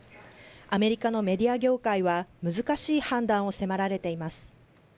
アメリカのメディア業界は難しい判断を迫られています。